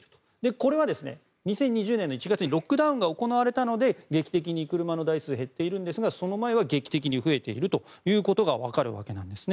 これは２０２０年の１月にロックダウンが行われたので劇的に車の台数が減っているんですがその前は劇的に増えているということが分かるわけなんです。